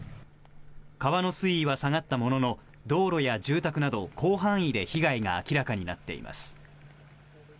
川の水位は下がったものの、道路や住宅など広範囲で被害が明らかになっています。